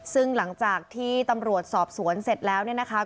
ซึ่งหลังจากที่ตำรวจสอบสวนเสร็จแล้วเนี่ยนะคะ